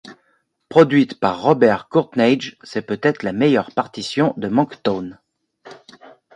Produite par Robert Courtneidge, c'est peut-être la meilleure partition de Monckton.